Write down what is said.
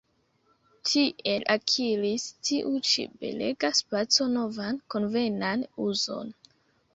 Tiel akiris tiu ĉi belega spaco novan konvenan uzon.